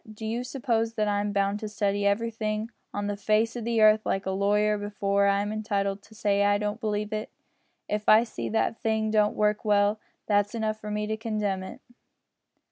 Do you suppose that I'm bound to study everything on the face o' the earth like a lawyer before I'm entitled to say I don't believe it. If I see that a thing don't work well, that's enough for me to condemn it."